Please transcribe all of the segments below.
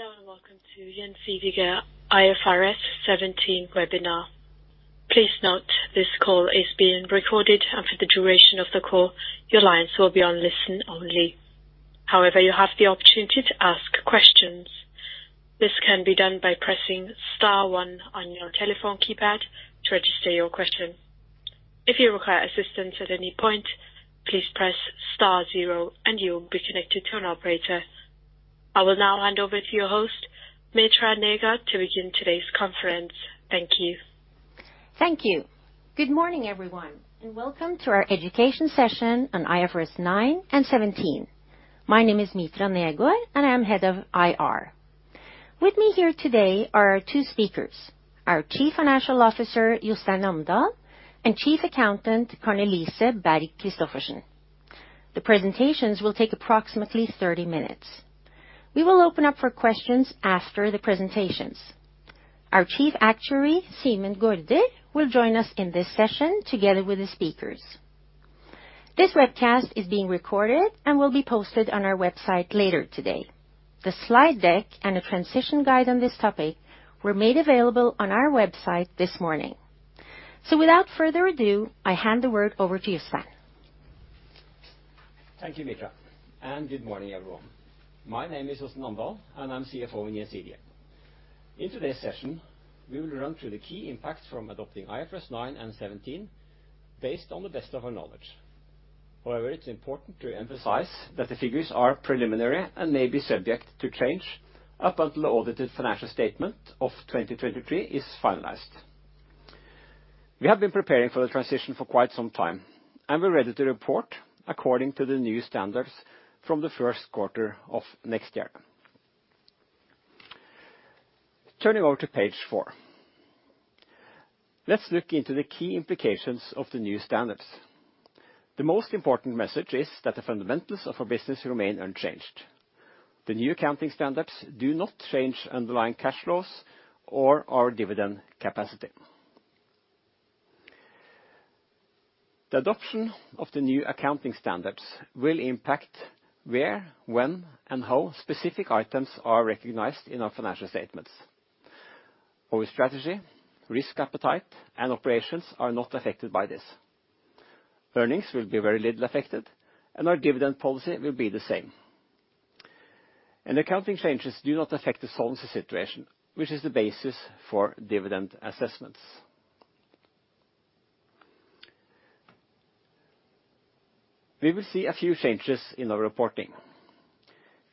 Hello and welcome to Gjensidige IFRS 17 webinar. Please note this call is being recorded, and for the duration of the call, your lines will be on listen only. However, you have the opportunity to ask questions. This can be done by pressing star one on your telephone keypad to register your question. If you require assistance at any point, please press star zero, and you'll be connected to an operator. I will now hand over to your host, Mitra Negård, to begin today's conference. Thank you. Thank you. Good morning, everyone, and welcome to our education session on IFRS 9 and 17. My name is Mitra Negård, and I'm head of IR. With me here today are our two speakers, our Chief Financial Officer, Jostein Amdal, and Chief Accountant, Karen-Elise Berg Christoffersen. The presentations will take approximately 30 minutes. We will open up for questions after the presentations. Our Chief Actuary, Simen Gaarder, will join us in this session together with the speakers. This webcast is being recorded and will be posted on our website later today. The slide deck and a transition guide on this topic were made available on our website this morning. So, without further ado, I hand the word over to Jostein. Thank you, Mitra, and good morning, everyone. My name is Jostein Amdal, and I'm CFO in Gjensidige. In today's session, we will run through the key impacts from adopting IFRS 9 and 17 based on the best of our knowledge. However, it's important to emphasize that the figures are preliminary and may be subject to change up until the audited financial statement of 2023 is finalized. We have been preparing for the transition for quite some time, and we're ready to report according to the new standards from the first quarter of next year. Turning over to page four, let's look into the key implications of the new standards. The most important message is that the fundamentals of our business remain unchanged. The new accounting standards do not change underlying cash flows or our dividend capacity. The adoption of the new accounting standards will impact where, when, and how specific items are recognized in our financial statements. Our strategy, risk appetite, and operations are not affected by this. Earnings will be very little affected, and our dividend policy will be the same. Accounting changes do not affect the solvency situation, which is the basis for dividend assessments. We will see a few changes in our reporting.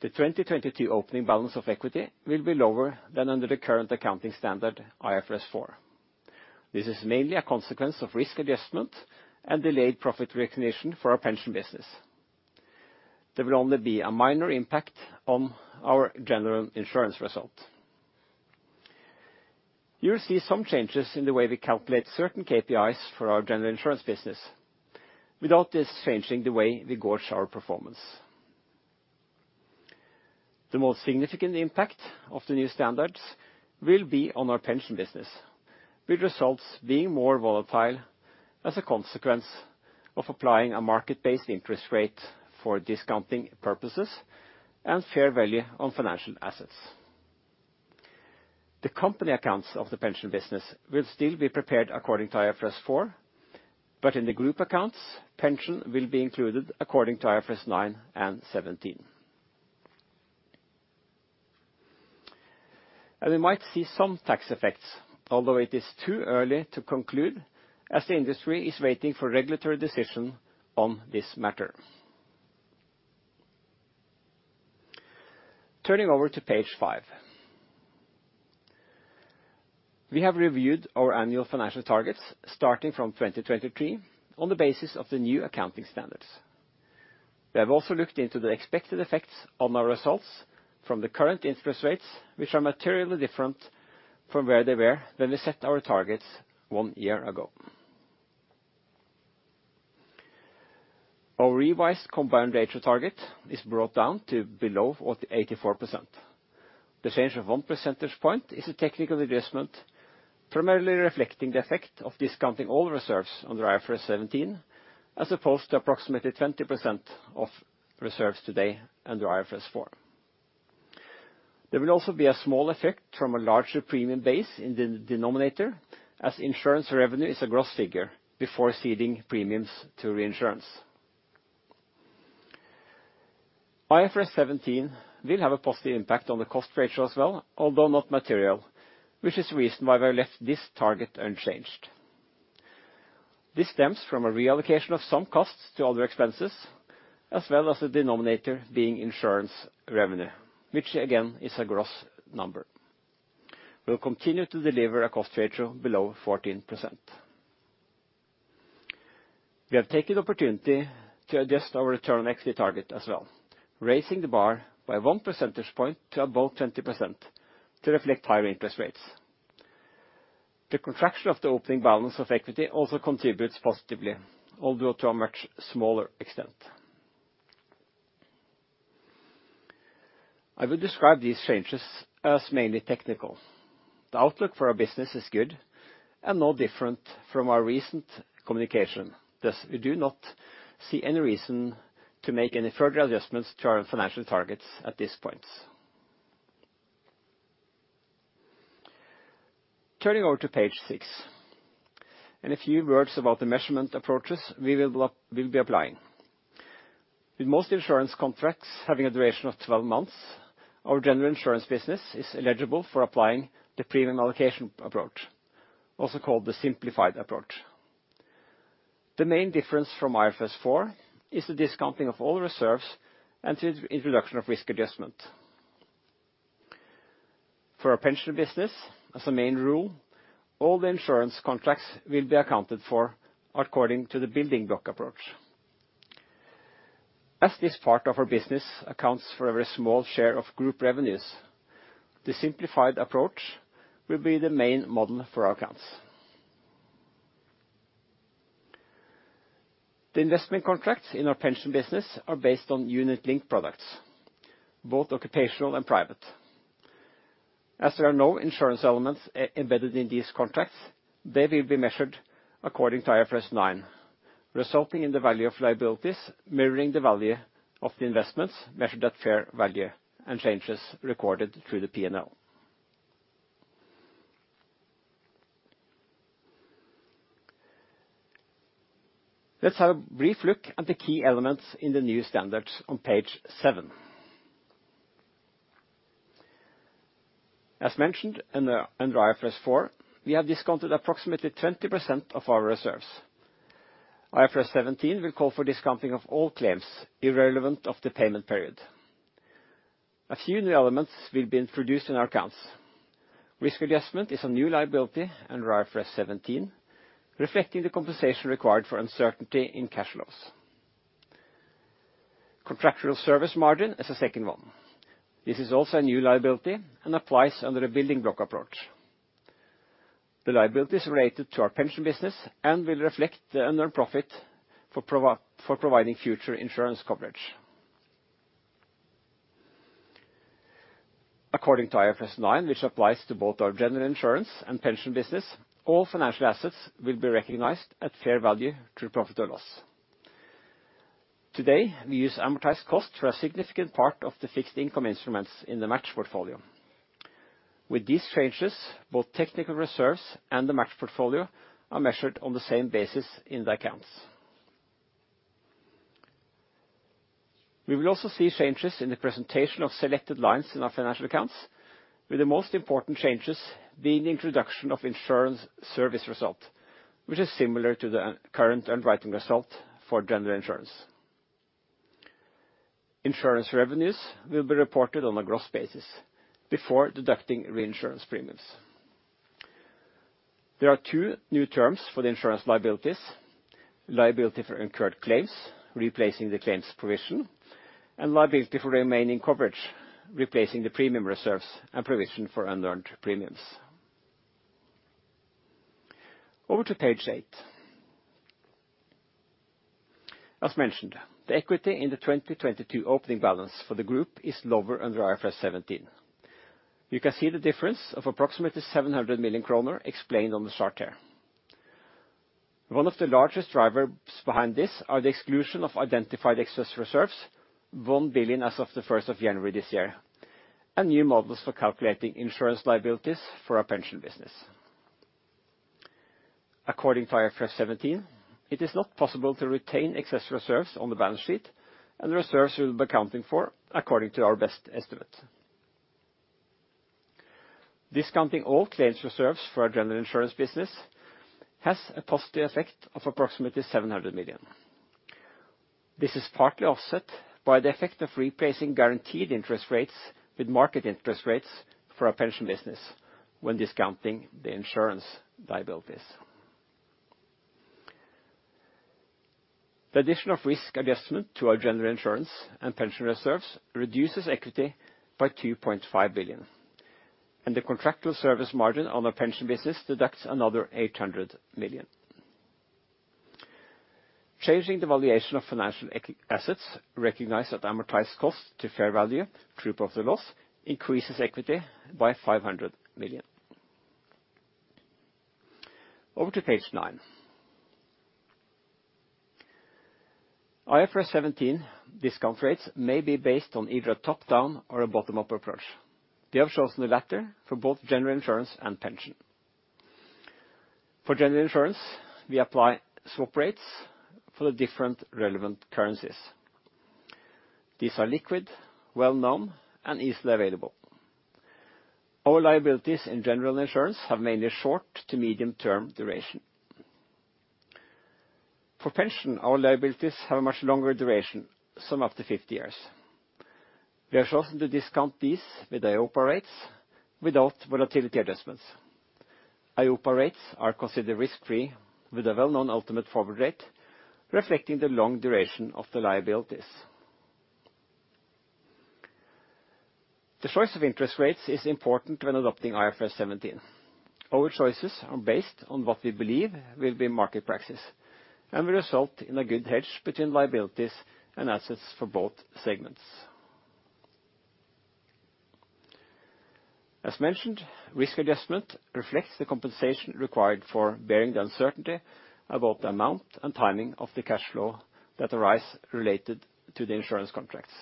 The 2022 opening balance of equity will be lower than under the current accounting standard, IFRS 4. This is mainly a consequence of risk adjustment and delayed profit recognition for our pension business. There will only be a minor impact on our general insurance result. You'll see some changes in the way we calculate certain KPIs for our general insurance business, without this changing the way we gauge our performance. The most significant impact of the new standards will be on our pension business, with results being more volatile as a consequence of applying a market-based interest rate for discounting purposes and fair value on financial assets. The company accounts of the pension business will still be prepared according to IFRS 4, but in the group accounts, pension will be included according to IFRS 9 and 17, and we might see some tax effects, although it is too early to conclude as the industry is waiting for regulatory decision on this matter. Turning over to page five, we have reviewed our annual financial targets starting from 2023 on the basis of the new accounting standards. We have also looked into the expected effects on our results from the current interest rates, which are materially different from where they were when we set our targets one year ago. Our revised combined ratio target is brought down to below 84%. The change of one percentage point is a technical adjustment, primarily reflecting the effect of discounting all reserves under IFRS 17, as opposed to approximately 20% of reserves today under IFRS 4. There will also be a small effect from a larger premium base in the denominator, as insurance revenue is a gross figure before ceding premiums to reinsurance. IFRS 17 will have a positive impact on the cost ratio as well, although not material, which is the reason why we've left this target unchanged. This stems from a reallocation of some costs to other expenses, as well as the denominator being insurance revenue, which again is a gross number. We'll continue to deliver a cost ratio below 14%. We have taken the opportunity to adjust our return on equity target as well, raising the bar by one percentage point to above 20% to reflect higher interest rates. The contraction of the opening balance of equity also contributes positively, although to a much smaller extent. I would describe these changes as mainly technical. The outlook for our business is good and no different from our recent communication. Thus, we do not see any reason to make any further adjustments to our financial targets at this point. Turning over to page six, and a few words about the measurement approaches we will be applying. With most insurance contracts having a duration of 12 months, our general insurance business is eligible for applying the Premium Allocation Approach, also called the simplified approach. The main difference from IFRS 4 is the discounting of all reserves and the introduction of risk adjustment. For our pension business, as a main rule, all the insurance contracts will be accounted for according to the building block approach. As this part of our business accounts for a very small share of group revenues, the simplified approach will be the main model for our accounts. The investment contracts in our pension business are based on unit-linked products, both occupational and private. As there are no insurance elements embedded in these contracts, they will be measured according to IFRS 9, resulting in the value of liabilities mirroring the value of the investments measured at fair value and changes recorded through the P&L. Let's have a brief look at the key elements in the new standards on page seven. As mentioned under IFRS 4, we have discounted approximately 20% of our reserves. IFRS 17 will call for discounting of all claims irrelevant to the payment period. A few new elements will be introduced in our accounts. Risk adjustment is a new liability under IFRS 17, reflecting the compensation required for uncertainty in cash flows. Contractual Service Margin is a second one. This is also a new liability and applies under the Building Block Approach. The liability is related to our pension business and will reflect the earned profit for providing future insurance coverage. According to IFRS 9, which applies to both our general insurance and pension business, all financial assets will be recognized at fair value through profit or loss. Today, we use amortized cost for a significant part of the fixed income instruments in the match portfolio. With these changes, both technical reserves and the match portfolio are measured on the same basis in the accounts. We will also see changes in the presentation of selected lines in our financial accounts, with the most important changes being the introduction of insurance service result, which is similar to the current underwriting result for general insurance. Insurance revenues will be reported on a gross basis before deducting reinsurance premiums. There are two new terms for the insurance liabilities: liability for incurred claims, replacing the claims provision, and liability for remaining coverage, replacing the premium reserves and provision for unearned premiums. Over to page eight. As mentioned, the equity in the 2022 opening balance for the group is lower under IFRS 17. You can see the difference of approximately 700 million kroner explained on the chart here. One of the largest drivers behind this is the exclusion of identified excess reserves, one billion as of the 1st of January this year, and new models for calculating insurance liabilities for our pension business. According to IFRS 17, it is not possible to retain excess reserves on the balance sheet, and the reserves we will be accounting for, according to our best estimate. Discounting all claims reserves for our general insurance business has a positive effect of approximately 700 million. This is partly offset by the effect of replacing guaranteed interest rates with market interest rates for our pension business when discounting the insurance liabilities. The addition of risk adjustment to our general insurance and pension reserves reduces equity by 2.5 billion, and the contractual service margin on our pension business deducts another 800 million. Changing the valuation of financial assets recognized at amortized cost to fair value through profit or loss increases equity by NOK 500 million. Over to page nine. IFRS 17 discount rates may be based on either a top-down or a bottom-up approach. We have chosen the latter for both general insurance and pension. For general insurance, we apply swap rates for the different relevant currencies. These are liquid, well-known, and easily available. Our liabilities in general insurance have mainly short to medium-term duration. For pension, our liabilities have a much longer duration, some up to 50 years. We have chosen to discount these with EIOPA rates without volatility adjustments. EIOPA rates are considered risk-free with a well-known ultimate forward rate, reflecting the long duration of the liabilities. The choice of interest rates is important when adopting IFRS 17. Our choices are based on what we believe will be market practice and will result in a good hedge between liabilities and assets for both segments. As mentioned, risk adjustment reflects the compensation required for bearing the uncertainty about the amount and timing of the cash flow that arise related to the insurance contracts.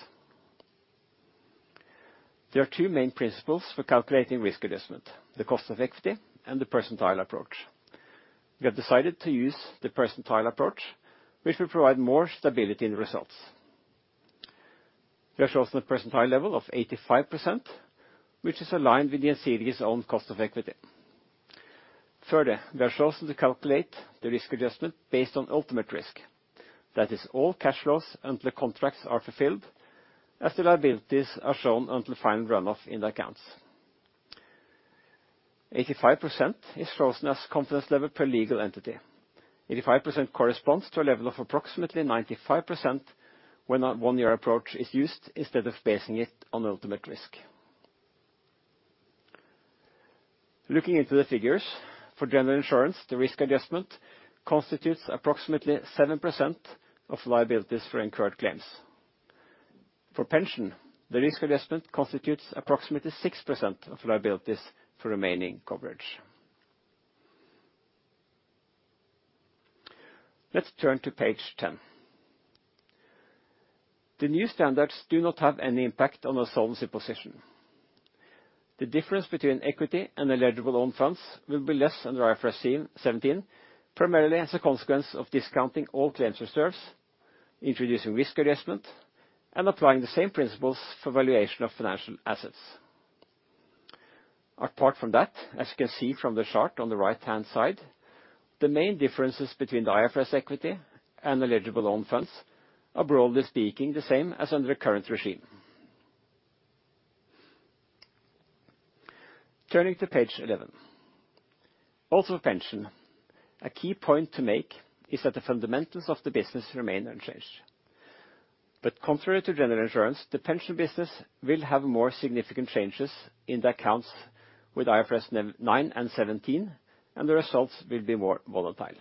There are two main principles for calculating risk adjustment: the cost of equity and the percentile approach. We have decided to use the percentile approach, which will provide more stability in the results. We have chosen a percentile level of 85%, which is aligned with the insurer's own cost of equity. Further, we have chosen to calculate the risk adjustment based on ultimate risk, that is, all cash flows until the contracts are fulfilled as the liabilities are shown until final runoff in the accounts. 85% is chosen as confidence level per legal entity. 85% corresponds to a level of approximately 95% when a one-year approach is used instead of basing it on ultimate risk. Looking into the figures, for general insurance, the risk adjustment constitutes approximately 7% of liabilities for incurred claims. For pension, the risk adjustment constitutes approximately 6% of liabilities for remaining coverage. Let's turn to page 10. The new standards do not have any impact on our solvency position. The difference between equity and eligible own funds will be less under IFRS 17, primarily as a consequence of discounting all claims reserves, introducing risk adjustment, and applying the same principles for valuation of financial assets. Apart from that, as you can see from the chart on the right-hand side, the main differences between the IFRS equity and eligible own funds are, broadly speaking, the same as under the current regime. Turning to page 11. Also, for pension, a key point to make is that the fundamentals of the business remain unchanged. But contrary to general insurance, the pension business will have more significant changes in the accounts with IFRS 9 and 17, and the results will be more volatile.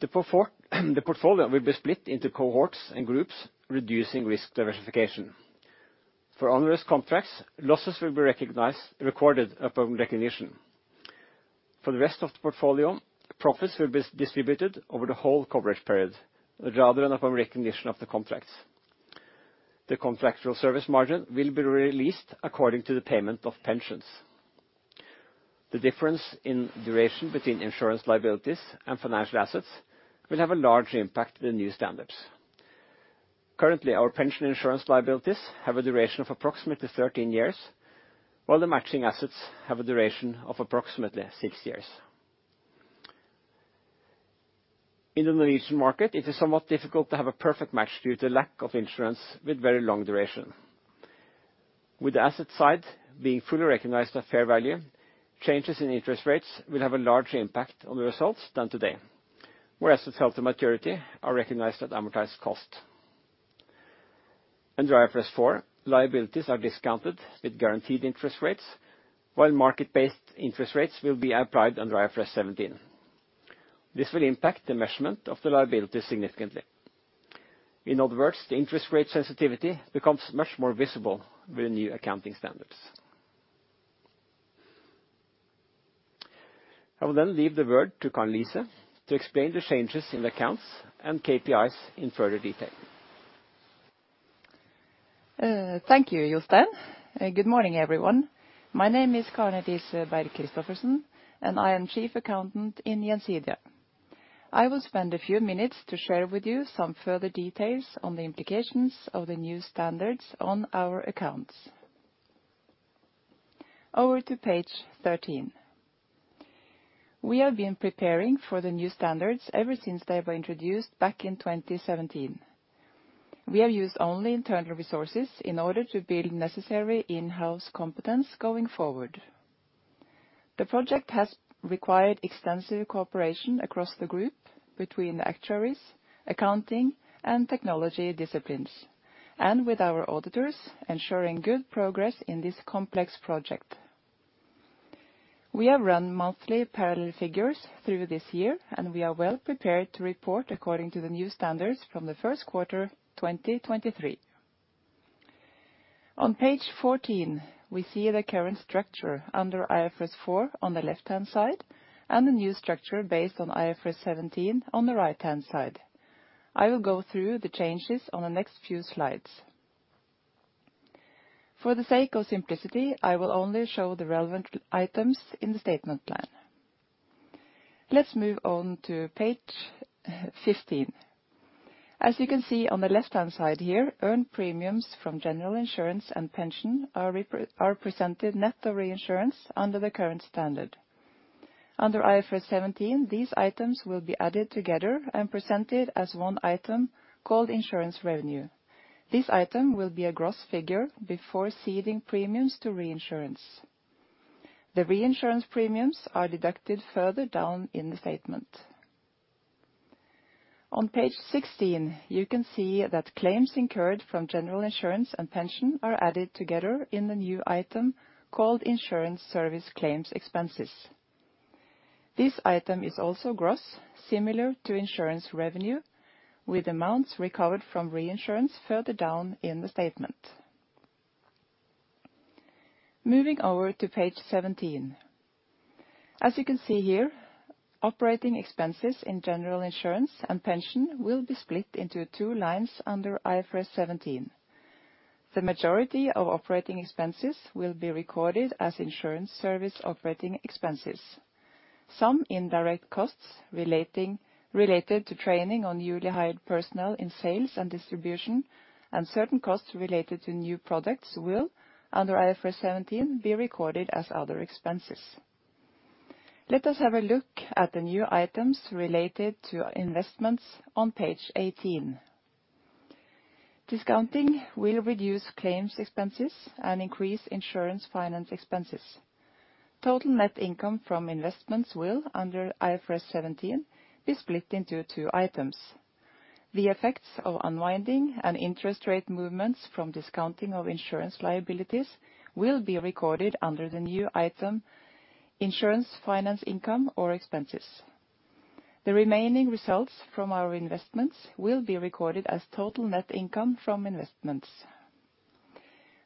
The portfolio will be split into cohorts and groups, reducing risk diversification. For onerous contracts, losses will be recorded upon recognition. For the rest of the portfolio, profits will be distributed over the whole coverage period, rather than upon recognition of the contracts. The contractual service margin will be released according to the payment of pensions. The difference in duration between insurance liabilities and financial assets will have a large impact with the new standards. Currently, our pension insurance liabilities have a duration of approximately 13 years, while the matching assets have a duration of approximately six years. In the Norwegian market, it is somewhat difficult to have a perfect match due to lack of insurance with very long duration. With the asset side being fully recognized at fair value, changes in interest rates will have a larger impact on the results than today, where assets held to maturity are recognized at amortized cost. Under IFRS 4, liabilities are discounted with guaranteed interest rates, while market-based interest rates will be applied under IFRS 17. This will impact the measurement of the liabilities significantly. In other words, the interest rate sensitivity becomes much more visible with the new accounting standards. I will then leave the word to Karen-Elise to explain the changes in the accounts and KPIs in further detail. Thank you, Jostein. Good morning, everyone. My name is Karen-Elise Berg Christoffersen, and I am Chief Accountant in Gjensidige. I will spend a few minutes to share with you some further details on the implications of the new standards on our accounts. Over to page 13. We have been preparing for the new standards ever since they were introduced back in 2017. We have used only internal resources in order to build necessary in-house competence going forward. The project has required extensive cooperation across the group between the actuaries, accounting, and technology disciplines, and with our auditors, ensuring good progress in this complex project. We have run monthly parallel figures through this year, and we are well prepared to report according to the new standards from the first quarter 2023. On page 14, we see the current structure under IFRS 4 on the left-hand side and the new structure based on IFRS 17 on the right-hand side. I will go through the changes on the next few slides. For the sake of simplicity, I will only show the relevant items in the P&L statement. Let's move on to page 15. As you can see on the left-hand side here, earned premiums from general insurance and pension are presented net of reinsurance under the current standard. Under IFRS 17, these items will be added together and presented as one item called insurance revenue. This item will be a gross figure before ceding premiums to reinsurance. The reinsurance premiums are deducted further down in the statement. On page 16, you can see that claims incurred from general insurance and pension are added together in the new item called insurance service claims expenses. This item is also gross, similar to insurance revenue, with amounts recovered from reinsurance further down in the statement. Moving over to page 17. As you can see here, operating expenses in general insurance and pension will be split into two lines under IFRS 17. The majority of operating expenses will be recorded as insurance service operating expenses. Some indirect costs related to training on newly hired personnel in sales and distribution and certain costs related to new products will, under IFRS 17, be recorded as other expenses. Let us have a look at the new items related to investments on page 18. Discounting will reduce claims expenses and increase insurance finance expenses. Total net income from investments will, under IFRS 17, be split into two items. The effects of unwinding and interest rate movements from discounting of insurance liabilities will be recorded under the new item insurance finance income or expenses. The remaining results from our investments will be recorded as total net income from investments.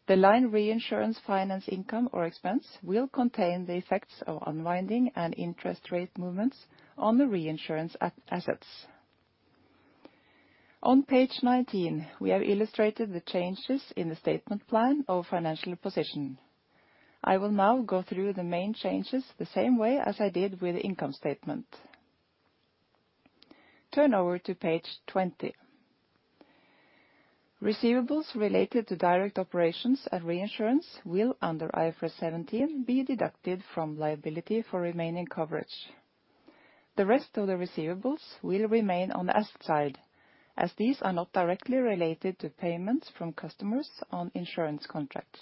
The line reinsurance finance income or expense will contain the effects of unwinding and interest rate movements on the reinsurance assets. On page 19, we have illustrated the changes in the statement of financial position. I will now go through the main changes the same way as I did with the income statement. Turn over to page 20. Receivables related to direct operations and reinsurance will, under IFRS 17, be deducted from liability for remaining coverage. The rest of the receivables will remain on the asset side, as these are not directly related to payments from customers on insurance contracts.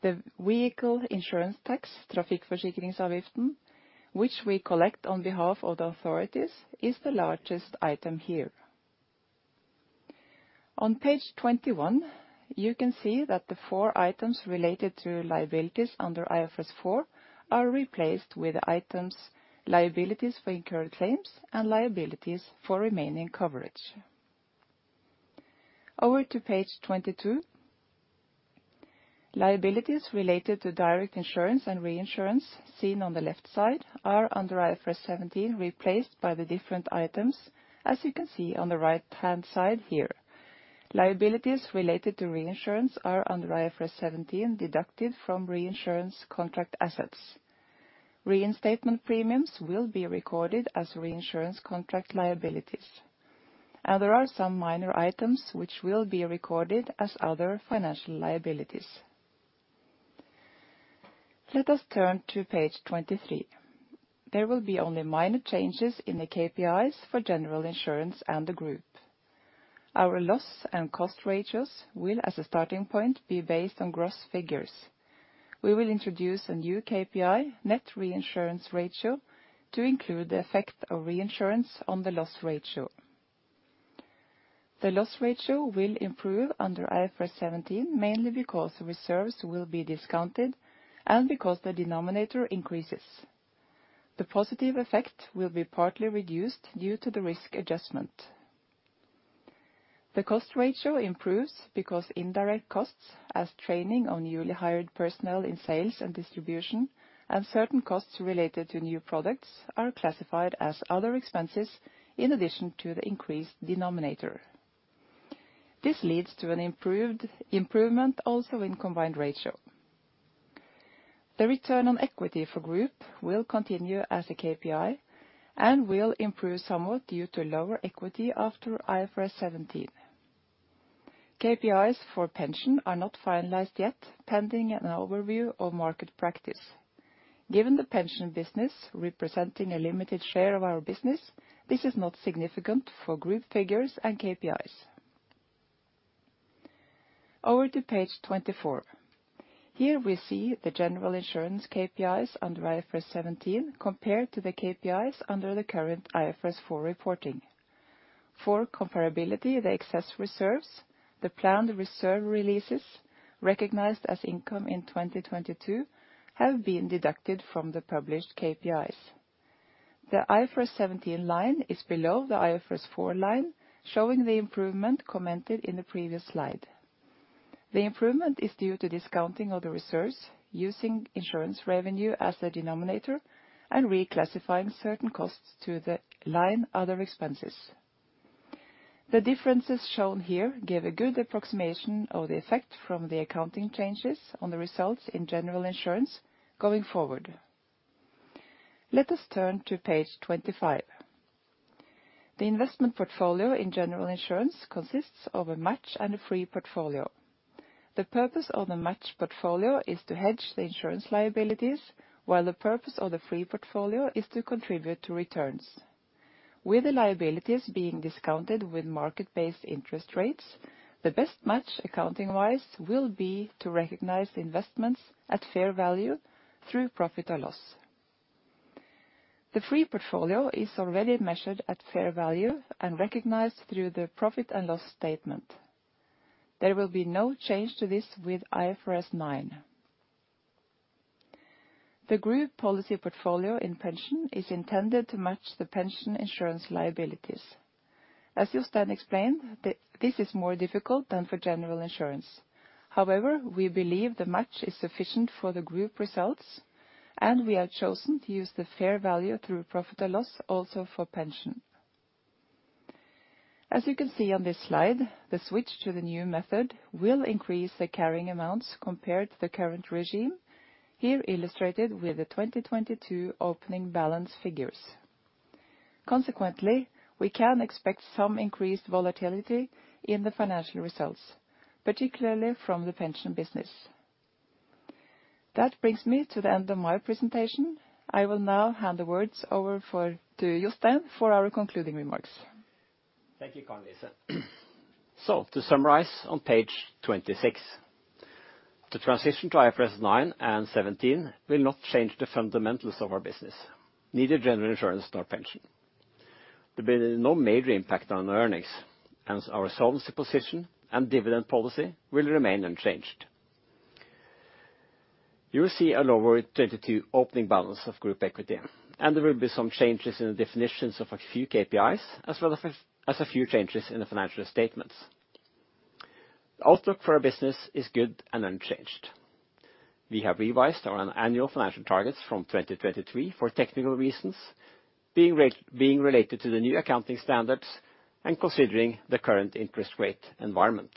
The vehicle insurance tax, Trafikkforsikringsavgift, which we collect on behalf of the authorities, is the largest item here. On page 21, you can see that the four items related to liabilities under IFRS 4 are replaced with the items liabilities for incurred claims and liabilities for remaining coverage. Over to page 22. Liabilities related to direct insurance and reinsurance, seen on the left side, are under IFRS 17 replaced by the different items, as you can see on the right-hand side here. Liabilities related to reinsurance are under IFRS 17 deducted from reinsurance contract assets. Reinstatement premiums will be recorded as reinsurance contract liabilities, and there are some minor items which will be recorded as other financial liabilities. Let us turn to page 23. There will be only minor changes in the KPIs for general insurance and the group. Our loss and cost ratios will, as a starting point, be based on gross figures. We will introduce a new KPI, net reinsurance ratio, to include the effect of reinsurance on the loss ratio. The loss ratio will improve under IFRS 17 mainly because reserves will be discounted and because the denominator increases. The positive effect will be partly reduced due to the risk adjustment. The cost ratio improves because indirect costs as training on newly hired personnel in sales and distribution and certain costs related to new products are classified as other expenses in addition to the increased denominator. This leads to an improved improvement also in combined ratio. The return on equity for group will continue as a KPI and will improve somewhat due to lower equity after IFRS 17. KPIs for pension are not finalized yet, pending an overview of market practice. Given the pension business representing a limited share of our business, this is not significant for group figures and KPIs. Over to page 24. Here we see the general insurance KPIs under IFRS 17 compared to the KPIs under the current IFRS 4 reporting. For comparability, the excess reserves, the planned reserve releases recognized as income in 2022, have been deducted from the published KPIs. The IFRS 17 line is below the IFRS 4 line, showing the improvement commented in the previous slide. The improvement is due to discounting of the reserves, using insurance revenue as a denominator, and reclassifying certain costs to the line other expenses. The differences shown here give a good approximation of the effect from the accounting changes on the results in general insurance going forward. Let us turn to page 25. The investment portfolio in general insurance consists of a match and a free portfolio. The purpose of the match portfolio is to hedge the insurance liabilities, while the purpose of the free portfolio is to contribute to returns. With the liabilities being discounted with market-based interest rates, the best match accounting-wise will be to recognize the investments at fair value through profit or loss. The free portfolio is already measured at fair value and recognized through the profit and loss statement. There will be no change to this with IFRS 9. The group policy portfolio in pension is intended to match the pension insurance liabilities. As Jostein explained, this is more difficult than for general insurance. However, we believe the match is sufficient for the group results, and we have chosen to use the fair value through profit or loss also for pension. As you can see on this slide, the switch to the new method will increase the carrying amounts compared to the current regime, here illustrated with the 2022 opening balance figures. Consequently, we can expect some increased volatility in the financial results, particularly from the pension business. That brings me to the end of my presentation. I will now hand the words over to Jostein for our concluding remarks. Thank you, Karen-Elise. So, to summarize on page 26, the transition to IFRS 9 and 17 will not change the fundamentals of our business, neither general insurance nor pension. There will be no major impact on our earnings, and our solvency position and dividend policy will remain unchanged. You will see a lower 2022 opening balance of group equity, and there will be some changes in the definitions of a few KPIs, as well as a few changes in the financial statements. The outlook for our business is good and unchanged. We have revised our annual financial targets from 2023 for technical reasons, being related to the new accounting standards and considering the current interest rate environment.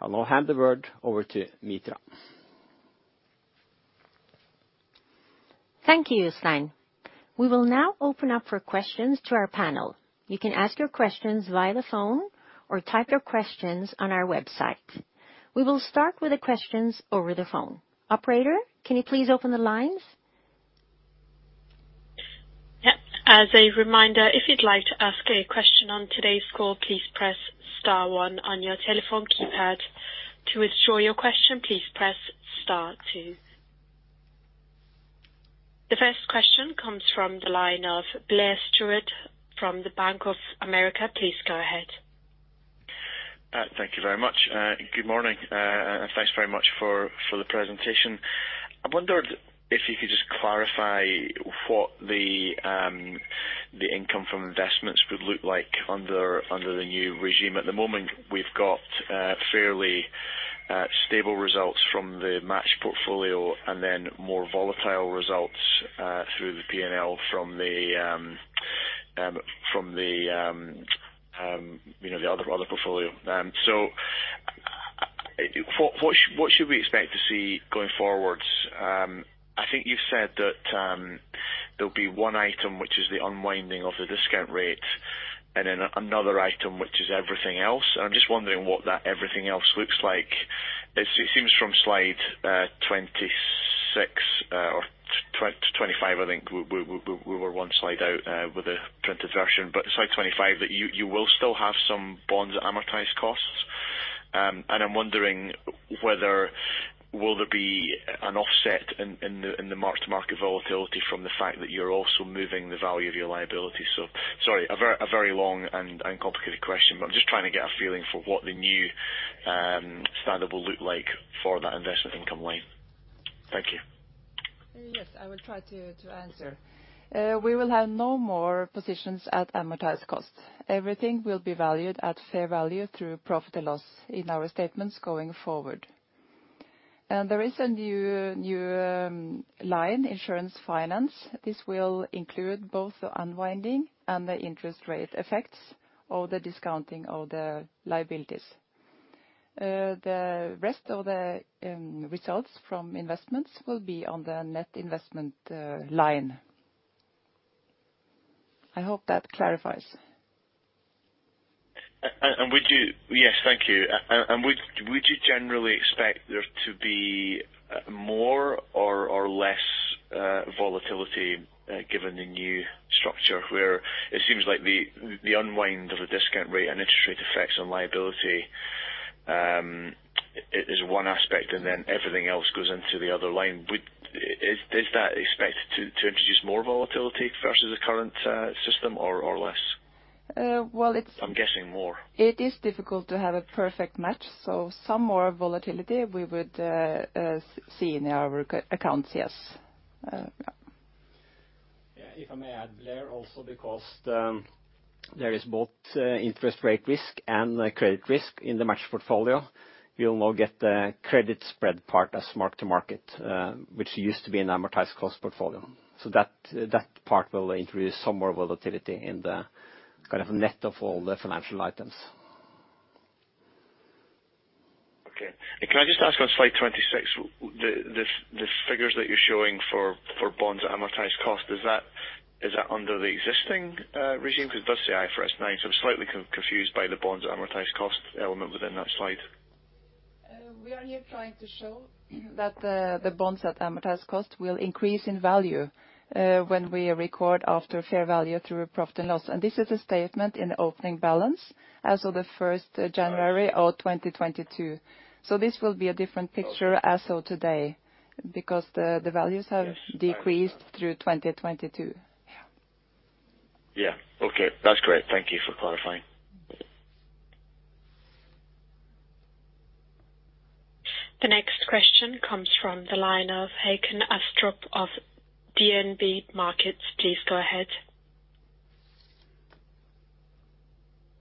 I'll now hand the word over to Mitra. Thank you, Jostein. We will now open up for questions to our panel. You can ask your questions via the phone or type your questions on our website. We will start with the questions over the phone. Operator, can you please open the lines? As a reminder, if you'd like to ask a question on today's call, please press star one on your telephone keypad. To withdraw your question, please press star two. The first question comes from the line of Blair Stewart from Bank of America. Please go ahead. Thank you very much. Good morning, and thanks very much for the presentation. I wondered if you could just clarify what the income from investments would look like under the new regime. At the moment, we've got fairly stable results from the match portfolio and then more volatile results through the P&L from the other portfolio. So what should we expect to see going forwards? I think you've said that there'll be one item, which is the unwinding of the discount rate, and then another item, which is everything else. And I'm just wondering what that everything else looks like. It seems from slide 26 or 25, I think we were one slide out with the printed version, but slide 25 that you will still have some bonds amortized cost. And I'm wondering whether will there be an offset in the mark-to-market volatility from the fact that you're also moving the value of your liabilities? Sorry, a very long and complicated question, but I'm just trying to get a feeling for what the new standard will look like for that investment income line. Thank you. Yes, I will try to answer. We will have no more positions at amortized cost. Everything will be valued at fair value through profit or loss in our statements going forward. And there is a new line, insurance finance. This will include both the unwinding and the interest rate effects or the discounting of the liabilities. The rest of the results from investments will be on the net investment line. I hope that clarifies. Yes, thank you. Would you generally expect there to be more or less volatility given the new structure where it seems like the unwind of the discount rate and interest rate effects on liability is one aspect and then everything else goes into the other line? Is that expected to introduce more volatility versus the current system or less? Well, it's. I'm guessing more. It is difficult to have a perfect match. So some more volatility we would see in our accounts, yes. Yeah. If I may add, Blair, also because there is both interest rate risk and credit risk in the match portfolio, you'll now get the credit spread part as mark-to-market, which used to be an amortized cost portfolio. So that part will introduce some more volatility in the kind of net of all the financial items. Okay. Can I just ask on slide 26, the figures that you're showing for bonds amortized cost, is that under the existing regime? Because it does say IFRS 9, so I'm slightly confused by the bonds amortized cost element within that slide. We are here trying to show that the bonds at amortized cost will increase in value when we record after fair value through profit and loss. And this is a statement in the opening balance as of the 1st January of 2022. So this will be a different picture as of today because the values have decreased through 2022. Yeah. Yeah. Okay. That's great. Thank you for clarifying. The next question comes from the line of Håkon Astrup of DNB Markets. Please go ahead.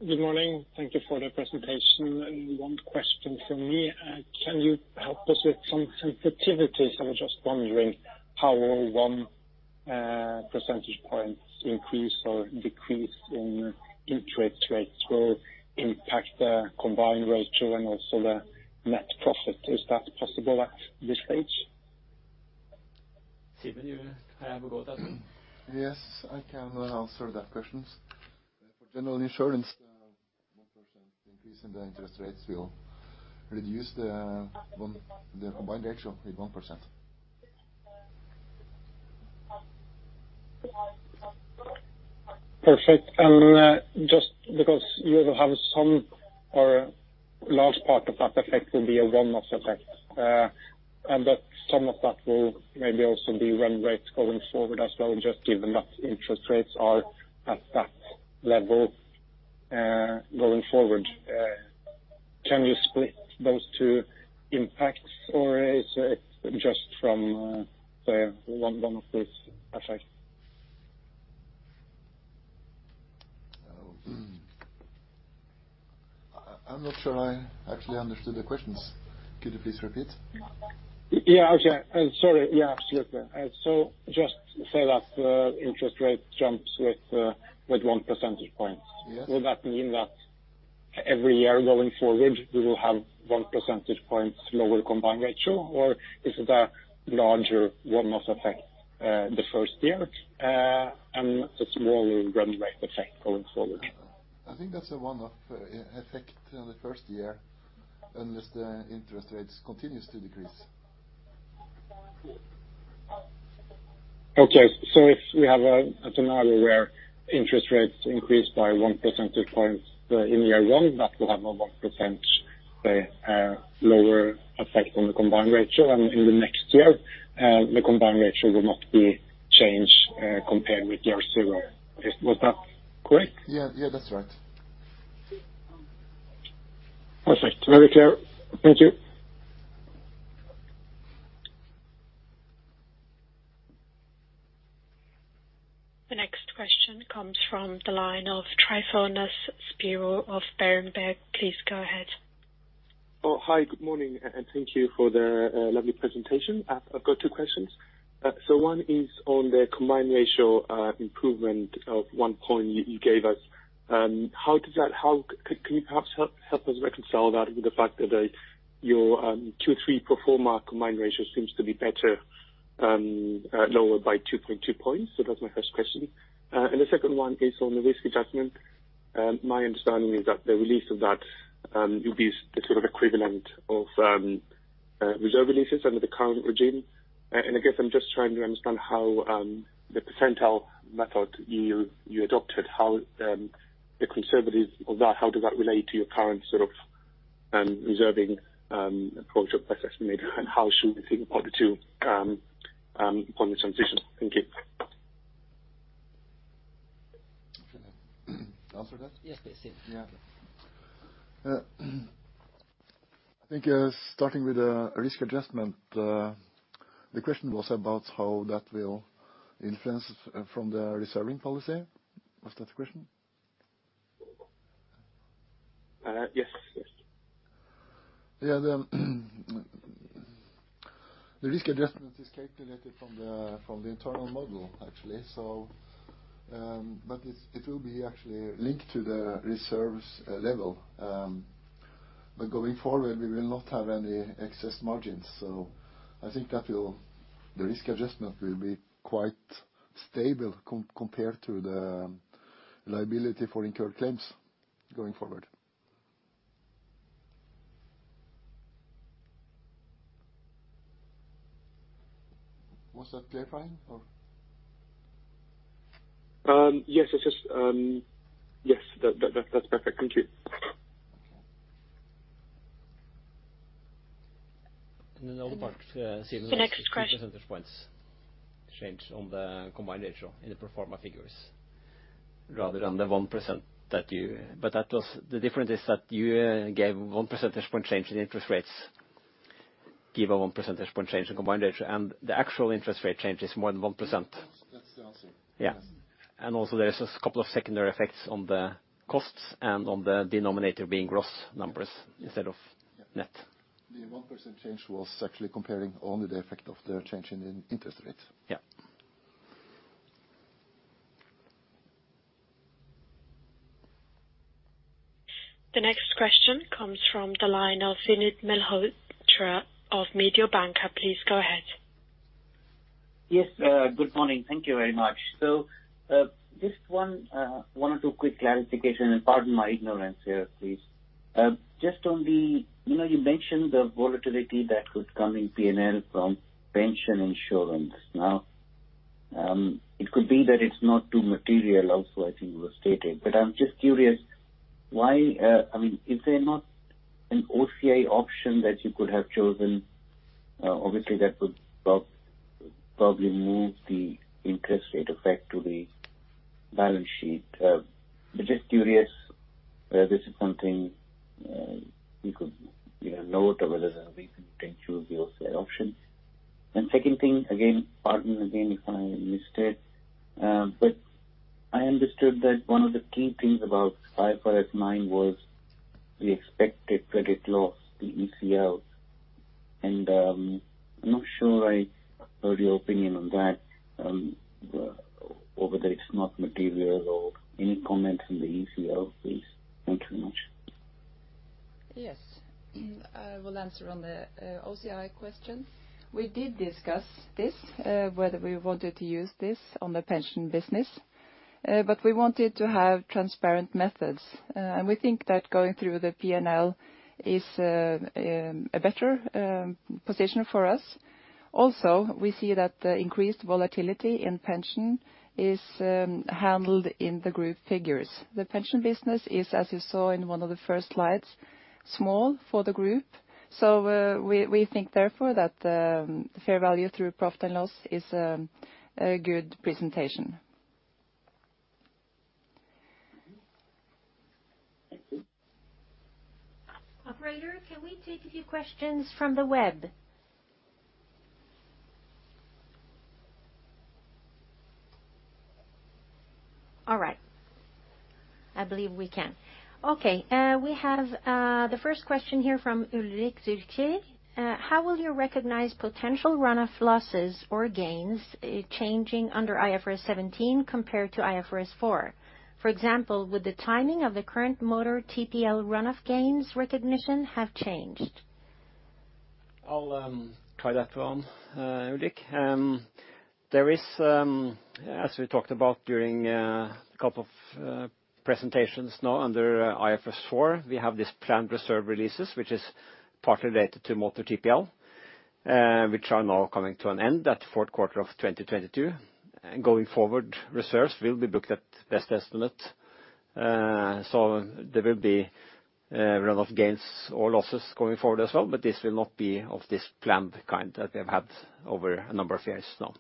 Good morning. Thank you for the presentation. One question for me. Can you help us with some sensitivities? I'm just wondering how will one percentage point increase or decrease in interest rates will impact the combined ratio and also the net profit? Is that possible at this stage? Can I have a go at that one? Yes, I can answer that question. For general insurance, the 1% increase in the interest rates will reduce the combined ratio with 1%. Perfect. And just because you will have some or a large part of that effect will be a one-off effect, and that some of that will maybe also be run rates going forward as well, just given that interest rates are at that level going forward. Can you split those two impacts, or is it just from one of these effects? I'm not sure I actually understood the questions. Could you please repeat? Yeah, okay. Sorry. Yeah, absolutely. So just say that interest rate jumps with one percentage point. Would that mean that every year going forward, we will have one percentage point lower combined ratio, or is it a larger one-off effect the first year and a smaller run rate effect going forward? I think that's a one-off effect in the first year unless the interest rates continue to decrease. Okay. So if we have a scenario where interest rates increase by one percentage point in year one, that will have a 1% lower effect on the combined ratio, and in the next year, the combined ratio will not be changed compared with year zero. Was that correct? Yeah, yeah, that's right. Perfect. Very clear. Thank you. The next question comes from the line of Tryfonas Spyrou of Berenberg. Please go ahead. Oh, hi. Good morning, and thank you for the lovely presentation. I've got two questions. So one is on the combined ratio improvement of one point you gave us. How can you perhaps help us reconcile that with the fact that your Q3 pro forma combined ratio seems to be better, lower by 2.2 points? So that's my first question. And the second one is on the risk adjustment. My understanding is that the release of that will be the sort of equivalent of reserve releases under the current regime. And I guess I'm just trying to understand how the percentile method you adopted, how the conservatism of that, how does that relate to your current sort of reserving approach of assessment, and how should we think about the two upon the transition? Thank you. Answer that? Yes, please. Yeah. I think starting with the risk adjustment, the question was about how that will influence from the reserving policy. Was that the question? Yes, yes. Yeah. The risk adjustment is calculated from the internal model, actually. But it will be actually linked to the reserves level. But going forward, we will not have any excess margins. So I think that the risk adjustment will be quite stable compared to the liability for incurred claims going forward. Was that clarifying, or? Yes, it's just yes, that's perfect. Thank you. And then the other part, Simen. The next question. Percentage points change on the combined ratio in the pro forma figures, rather than the 1% that you but the difference is that you gave 1 percentage point change in interest rates, gave a 1 percentage point change in combined ratio, and the actual interest rate change is more than 1%. That's the answer. Yeah. And also, there is a couple of secondary effects on the costs and on the denominator being gross numbers instead of net. The 1% change was actually comparing only the effect of the change in interest rate. Yeah. The next question comes from the line of Vinit Malhotra of Mediobanca. Please go ahead. Yes, good morning. Thank you very much. So just one or two quick clarifications, and pardon my ignorance here, please. Just on the volatility you mentioned that could come in P&L from pension insurance. Now, it could be that it's not too material also, I think you stated. But I'm just curious, why, I mean, is there not an OCI option that you could have chosen? Obviously, that would probably move the interest rate effect to the balance sheet. But just curious, is this something you could not or whether we can choose the OCI option. And second thing, again, pardon again if I missed it, but I understood that one of the key things about IFRS 9 was the expected credit loss, the ECL. And I'm not sure I heard your opinion on that, whether it's not material or any comments on the ECL, please. Thank you very much. Yes. I will answer on the OCI question. We did discuss this, whether we wanted to use this on the pension business, but we wanted to have transparent methods. And we think that going through the P&L is a better position for us. Also, we see that the increased volatility in pension is handled in the group figures. The pension business is, as you saw in one of the first slides, small for the group. So we think, therefore, that the fair value through profit and loss is a good presentation. Thank you. Operator, can we take a few questions from the web? All right. I believe we can. Okay. We have the first question here from Ulrik Züllke. How will you recognize potential run-off losses or gains changing under IFRS 17 compared to IFRS 4? For example, would the timing of the current motor TPL run-off gains recognition have changed? I'll try that one, Ulrich. There is, as we talked about during a couple of presentations now under IFRS 4, we have this planned reserve releases, which is partly related to motor TPL, which are now coming to an end at the fourth quarter of 2022. Going forward, reserves will be booked at best estimate. So there will be run-off gains or losses going forward as well, but this will not be of this planned kind that we have had over a number of years now.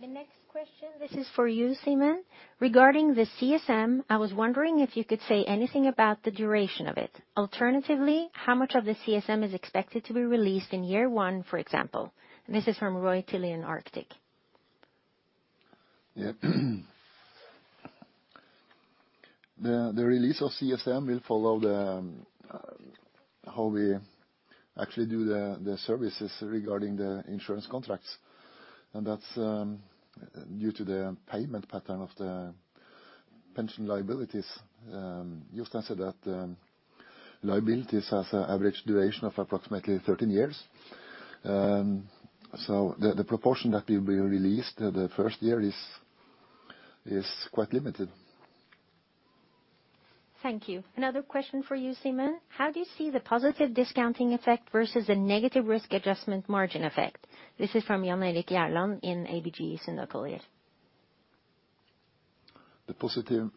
Yes. Okay. The next question, this is for you, Simen. Regarding the CSM, I was wondering if you could say anything about the duration of it. Alternatively, how much of the CSM is expected to be released in year one, for example? And this is from Roy Tilley in Arctic. Yeah. The release of CSM will follow how we actually do the services regarding the insurance contracts. And that's due to the payment pattern of the pension liabilities. You've answered that liabilities have an average duration of approximately 13 years. So the proportion that will be released the first year is quite limited. Thank you. Another question for you, Simen. How do you see the positive discounting effect versus a negative risk adjustment margin effect? This is from Jan Erik Gjerland in ABG Sundal Collier. The positive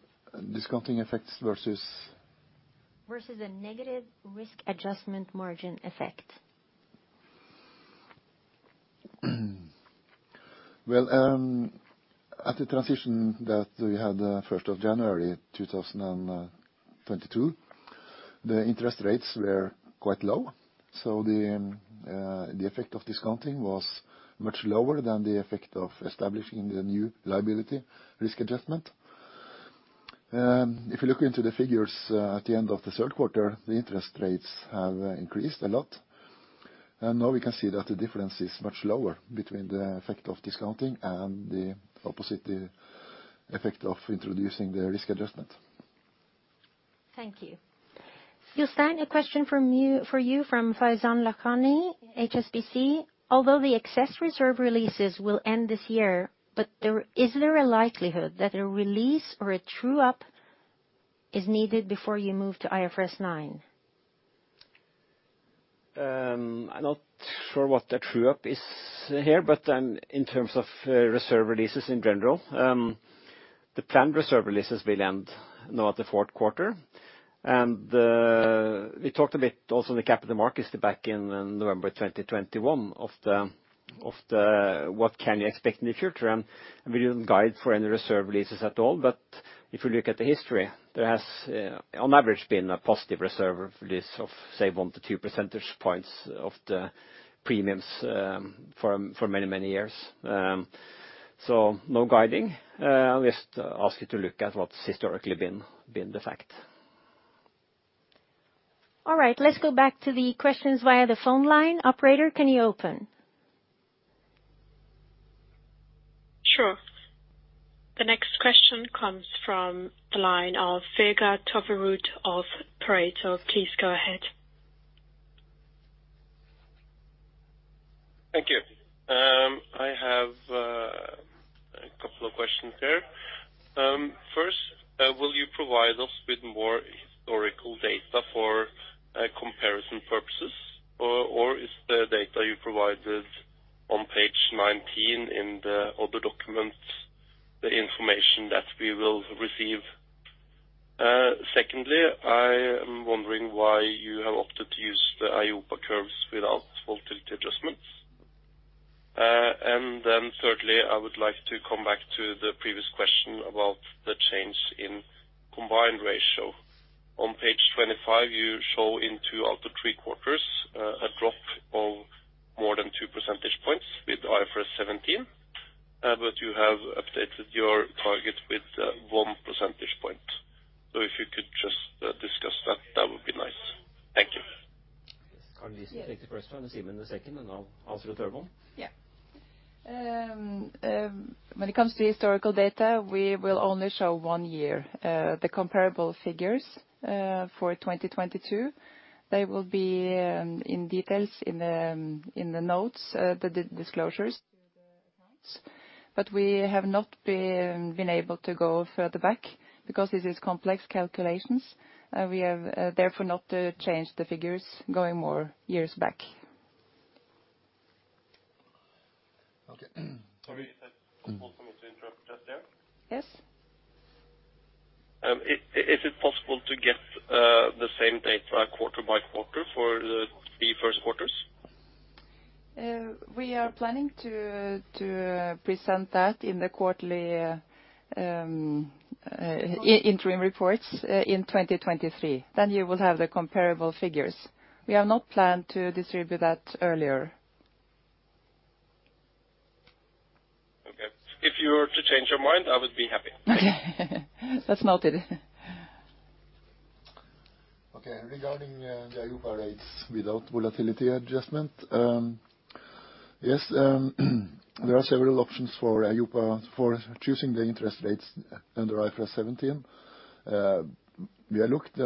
discounting effects versus a negative risk adjustment margin effect. At the transition that we had 1st of January 2022, the interest rates were quite low. The effect of discounting was much lower than the effect of establishing the new liability risk adjustment. If you look into the figures at the end of the third quarter, the interest rates have increased a lot. Now we can see that the difference is much lower between the effect of discounting and the opposite, the effect of introducing the risk adjustment. Thank you. We'll send a question for you from Faizan Lakhani, HSBC. Although the excess reserve releases will end this year, is there a likelihood that a release or a true-up is needed before you move to IFRS 9? I'm not sure what the true-up is here, but in terms of reserve releases in general, the planned reserve releases will end now at the fourth quarter. And we talked a bit also in the capital markets back in November 2021 of what can you expect in the future. And we didn't guide for any reserve releases at all. But if you look at the history, there has on average been a positive reserve release of, say, one to two percentage points of the premiums for many, many years. So no guiding. I'll just ask you to look at what's historically been the fact. All right. Let's go back to the questions via the phone line. Operator, can you open? Sure. The next question comes from the line of Vegard Toverud of Pareto. Please go ahead. Thank you. I have a couple of questions here. First, will you provide us with more historical data for comparison purposes, or is the data you provided on page 19 in the other documents the information that we will receive? Secondly, I am wondering why you have opted to use the EIOPA curves without volatility adjustments. And then thirdly, I would like to come back to the previous question about the change in combined ratio. On page 25, you show in two out of three quarters a drop of more than 2 percentage points with IFRS 17, but you have updated your target with 1 percentage point. So if you could just discuss that, that would be nice. Thank you. Yes. Can we please take the first one, Simen, the second, and now answer the third one? Yeah. When it comes to historical data, we will only show one year. The comparable figures for 2022, they will be in detail in the notes, the disclosures to the accounts. But we have not been able to go further back because this is complex calculations. We have therefore not changed the figures going more years back. Okay. Sorry. Is it possible for me to interrupt just there? Yes. Is it possible to get the same data quarter by quarter for the three first quarters? We are planning to present that in the quarterly interim reports in 2023. Then you will have the comparable figures. We have not planned to distribute that earlier. Okay. If you were to change your mind, I would be happy. Okay. That's noted. Okay. Regarding the EIOPA rates without volatility adjustment, yes, there are several options for EIOPA for choosing the interest rates under IFRS 17. We looked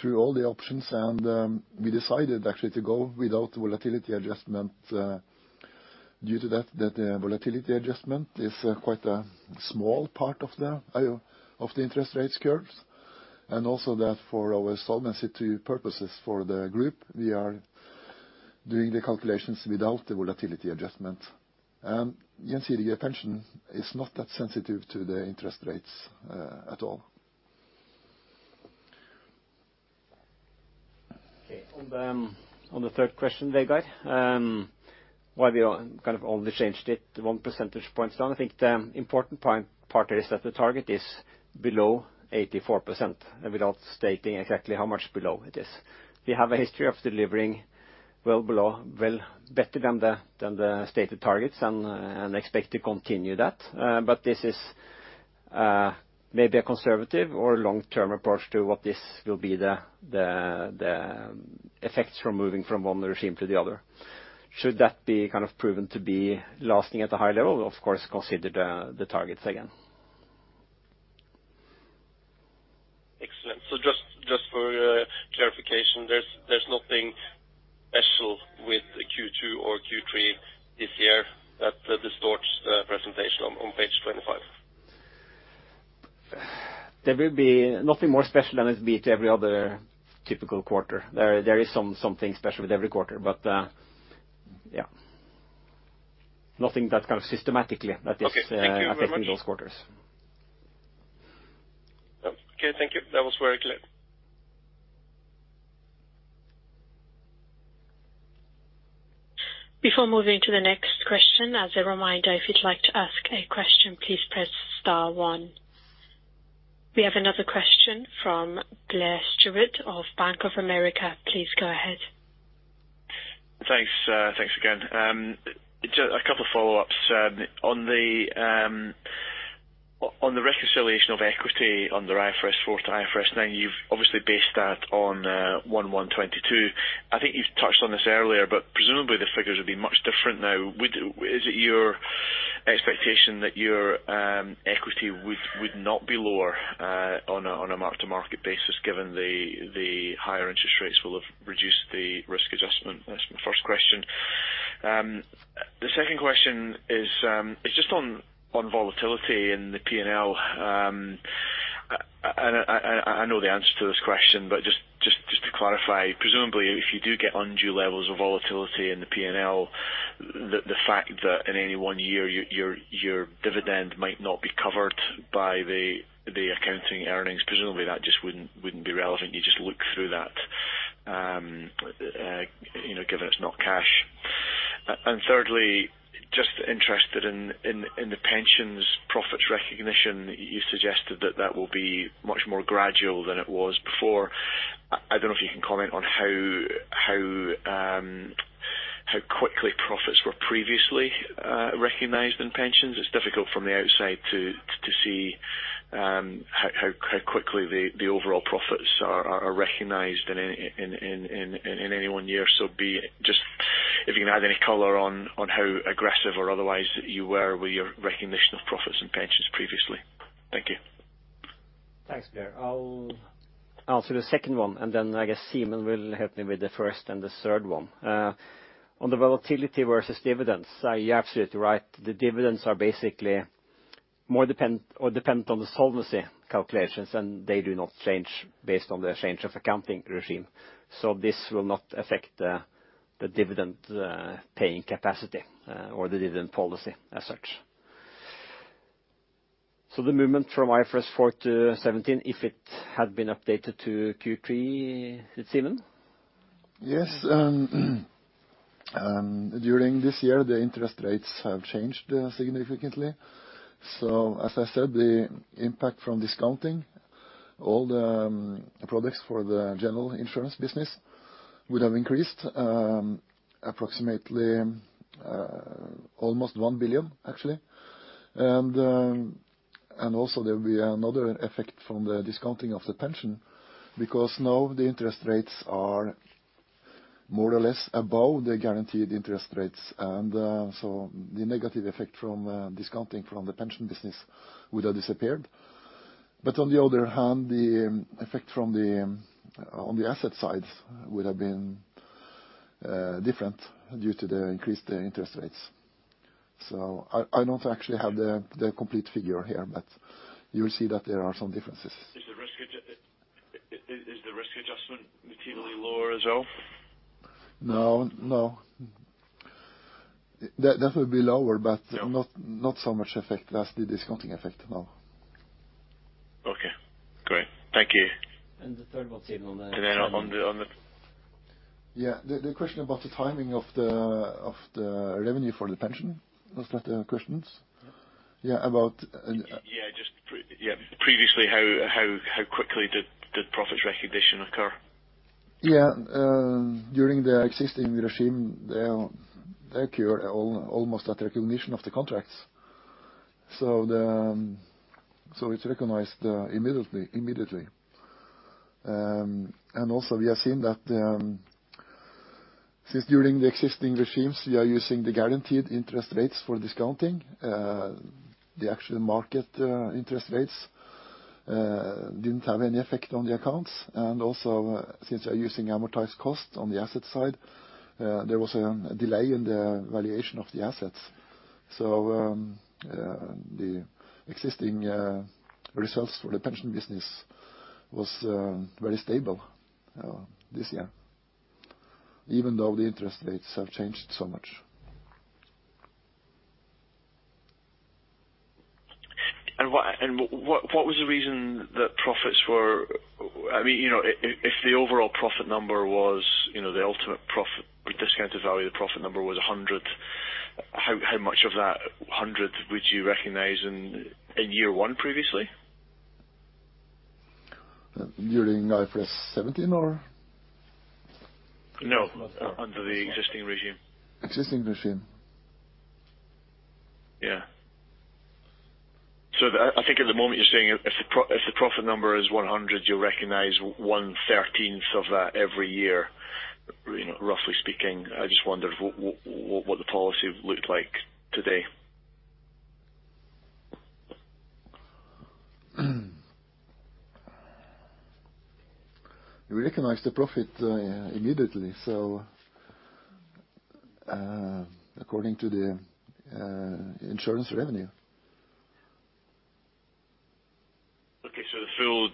through all the options, and we decided actually to go without volatility adjustment due to that the volatility adjustment is quite a small part of the interest rates curves. And also that for our solvency purposes for the group, we are doing the calculations without the volatility adjustment. And Gjensidige, pension is not that sensitive to the interest rates at all. Okay. On the third question, Vegard, why we kind of only changed it one percentage points down, I think the important part is that the target is below 84% without stating exactly how much below it is. We have a history of delivering well below, well better than the stated targets, and expect to continue that. But this is maybe a conservative or long-term approach to what this will be the effects from moving from one regime to the other. Should that be kind of proven to be lasting at a high level, of course, consider the targets again. Excellent. So just for clarification, there's nothing special with Q2 or Q3 this year that distorts the presentation on page 25? There will be nothing more special than it's beat every other typical quarter. There is something special with every quarter, but yeah. Nothing that kind of systematically that is affecting those quarters. Okay. Thank you very much. Okay. Thank you. That was very clear. Before moving to the next question, as a reminder, if you'd like to ask a question, please press star one. We have another question from Blair Stewart of Bank of America. Please go ahead. Thanks. Thanks again. Just a couple of follow-ups. On the reconciliation of equity under IFRS 4 to IFRS 9, you've obviously based that on 1/1/2022. I think you've touched on this earlier, but presumably the figures will be much different now. Is it your expectation that your equity would not be lower on a mark-to-market basis given the higher interest rates will have reduced the risk adjustment? That's my first question. The second question is just on volatility in the P&L. And I know the answer to this question, but just to clarify, presumably if you do get undue levels of volatility in the P&L, the fact that in any one year your dividend might not be covered by the accounting earnings, presumably that just wouldn't be relevant. You just look through that given it's not cash. And thirdly, just interested in the pension's profits recognition, you suggested that that will be much more gradual than it was before. I don't know if you can comment on how quickly profits were previously recognized in pensions. It's difficult from the outside to see how quickly the overall profits are recognized in any one year. So just if you can add any color on how aggressive or otherwise you were with your recognition of profits in pensions previously. Thank you. Thanks, Vegard. I'll answer the second one, and then I guess Simen will help me with the first and the third one. On the volatility versus dividends, you're absolutely right. The dividends are basically more dependent on the solvency calculations, and they do not change based on the change of accounting regime. So the movement from IFRS 4 to 17, if it had been updated to Q3, it's even? Yes. During this year, the interest rates have changed significantly. As I said, the impact from discounting, all the products for the general insurance business would have increased approximately almost one billion, actually. And also there will be another effect from the discounting of the pension because now the interest rates are more or less above the guaranteed interest rates. And so the negative effect from discounting from the pension business would have disappeared. But on the other hand, the effect on the asset side would have been different due to the increased interest rates. So I don't actually have the complete figure here, but you will see that there are some differences. Is the risk adjustment materially lower as well? No. No. That would be lower, but not so much effect as the discounting effect now. Okay. Great. Thank you. And the third one, Simen, on that. And then on the yeah. The question about the timing of the revenue for the pension, those were the questions. Yeah, about yeah. Just previously, how quickly did profits recognition occur? Yeah. During the existing regime, they occur almost at recognition of the contracts. So it's recognized immediately. And also we have seen that since during the existing regimes, we are using the guaranteed interest rates for discounting, the actual market interest rates didn't have any effect on the accounts. And also since we are using amortized cost on the asset side, there was a delay in the valuation of the assets. So the existing results for the pension business was very stable this year, even though the interest rates have changed so much. What was the reason that profits were? I mean, if the overall profit number was the ultimate profit or discounted value, the profit number was 100, how much of that 100 would you recognize in year one previously? During IFRS 17 or? No. Under the existing regime. Existing regime. Yeah. So I think at the moment you're saying if the profit number is 100, you'll recognize 1/13 of that every year, roughly speaking. I just wondered what the policy looked like today. We recognized the profit immediately, so according to the insurance revenue. Okay. So the full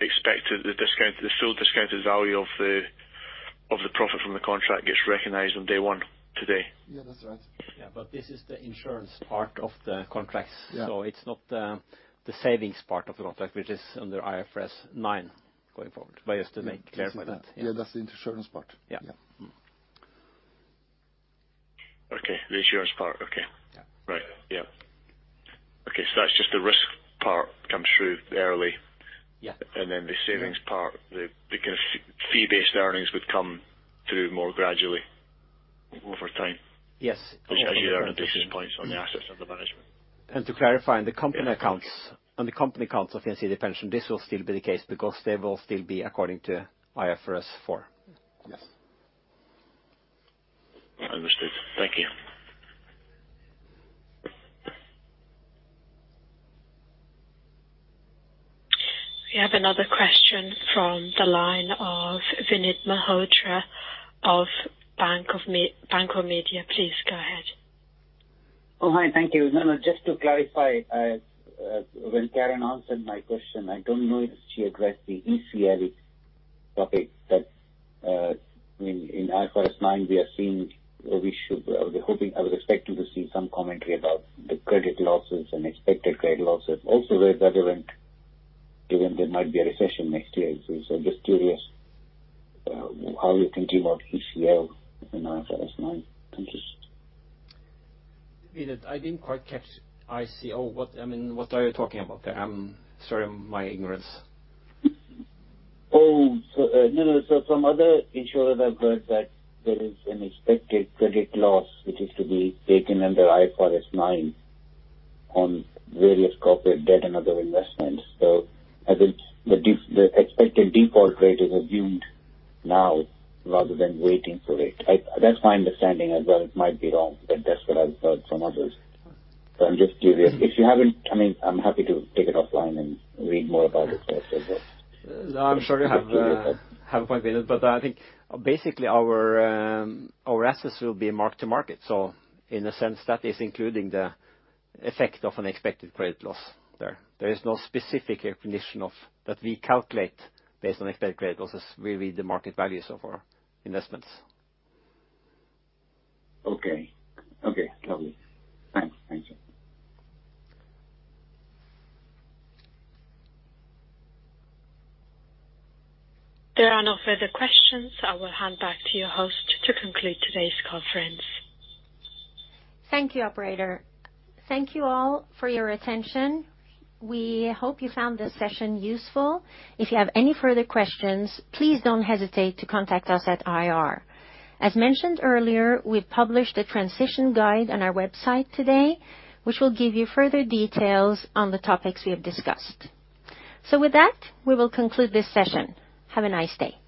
expected discounted value of the profit from the contract gets recognized on day one today? Yeah. That's right. Yeah. But this is the insurance part of the contracts. So it's not the savings part of the contract, which is under IFRS 9 going forward. But just to make clear for that. Yeah. That's the insurance part. So that's just the risk part comes through early. And then the savings part, the kind of fee-based earnings would come through more gradually over time. Yes. As you earn the basis points on the assets under management. And to clarify, on the company accounts of Gjensidige Pensjon, this will still be the case because they will still be according to IFRS 4. Yes. Understood. Thank you. We have another question from the line of Vinit Malhotra of Mediobanca. Please go ahead. Oh, hi. Thank you. Just to clarify, when Karen answered my question, I don't know if she addressed the ECL topic that in IFRS 9 we are seeing. I was expecting to see some commentary about the credit losses and expected credit losses. Also very relevant given there might be a recession next year. So just curious how you think about ECL in IFRS 9? I didn't quite catch ECL. I mean, What are you talking about there? I'm sorry for my ignorance. Oh, no, no. So from other insurers, I've heard that there is an expected credit loss which is to be taken under IFRS 9 on various corporate debt and other investments. So the expected default rate is assumed now rather than waiting for it. That's my understanding as well. It might be wrong, but that's what I've heard from others. So I'm just curious. If you haven't, I mean, I'm happy to take it offline and read more about it. I'm sure you have a point, Vinit, but I think basically our assets will be marked to market. So in a sense, that is including the effect of an expected credit loss there. There is no specific recognition of that we calculate based on expected credit losses. We read the market values of our investments. Okay. Okay. Lovely. Thanks. Thank you. There are no further questions. I will hand back to your host to conclude today's conference. Thank you, operator. Thank you all for your attention. We hope you found this session useful. If you have any further questions, please don't hesitate to contact us at IR. As mentioned earlier, we published a transition guide on our website today, which will give you further details on the topics we have discussed. So with that, we will conclude this session. Have a nice day.